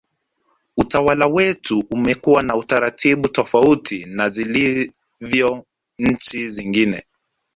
utawala wetu umekuwa na utaratibu tofauti na zilivyo nchi zingine